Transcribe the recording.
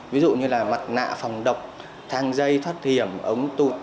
ví dụ như là mặt nạ phòng độc thang dây thoát hiểm ống tụt